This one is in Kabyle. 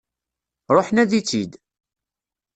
Ruḥ nadi-tt-id!